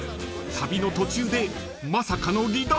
旅の途中でまさかの離脱？］